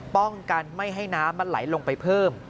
ป้องกันไม่ให้น้ำมันไหลลงไปเพิ่ม